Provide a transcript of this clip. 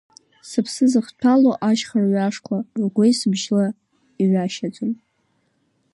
Сыԥсы зыхҭәалоу ашьха рҩашқәа, ргәеисбжьала иҩашьаӡом.